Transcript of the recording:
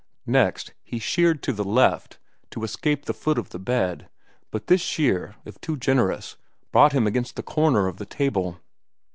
Next, he sheered to the left, to escape the foot of the bed; but this sheer, if too generous, brought him against the corner of the table.